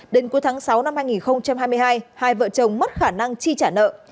đến cuối tháng sáu năm hai nghìn hai mươi hai hai vợ chồng mất khả năng chi trả nợ